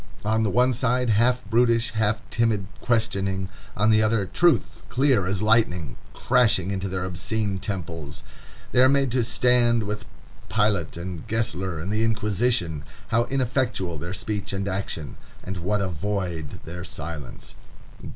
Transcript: On the one side, half brutish, half timid questioning; on the other, truth, clear as lightning, crashing into their obscene temples. They are made to stand with Pilate, and Gessler, and the Inquisition. How ineffectual their speech and action! and what a void their silence!